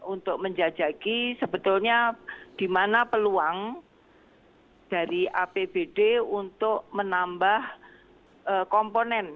untuk menjajaki sebetulnya di mana peluang dari apbd untuk menambah komponen